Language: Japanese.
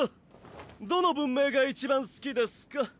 どの文明が一番好きですか？